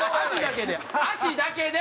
足だけで！